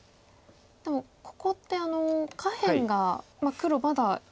でもここって下辺が黒まだ